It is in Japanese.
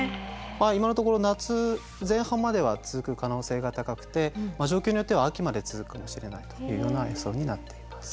今のところ夏前半までは続く可能性が高くて状況によっては秋まで続くかもしれないというような予想になっています。